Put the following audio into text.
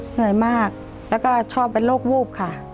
เหนื่อยมากแล้วก็ชอบเป็นโรควูบค่ะ